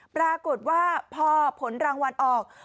ปรากฏว่าพอผลรางวัลออก